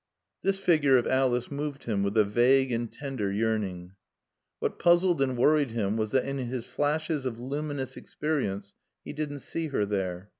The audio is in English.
This figure of Alice moved him with a vague and tender yearning. What puzzled and worried him was that in his flashes of luminous experience he didn't see her there.